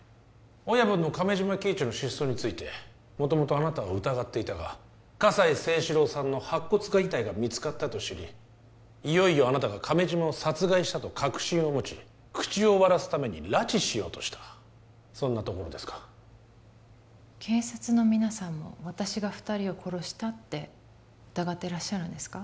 親分の亀島喜一の失踪について元々あなたを疑っていたが葛西征四郎さんの白骨化遺体が見つかったと知りいよいよあなたが亀島を殺害したと確信を持ち口を割らすために拉致しようとしたそんなところですか警察の皆さんも私が二人を殺したって疑ってらっしゃるんですか？